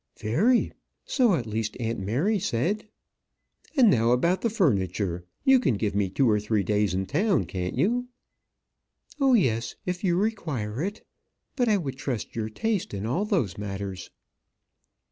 "Very so at least aunt Mary said." "And now about the furniture. You can give me two or three days in town, can't you?" "Oh, yes; if you require it. But I would trust your taste in all those matters."